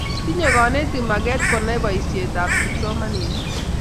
tinye konetik maket kunai boise ab kipsomaninik